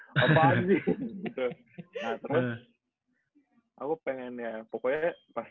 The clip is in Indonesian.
nah terus aku pengen ya pokoknya pas dbl show semuanya kak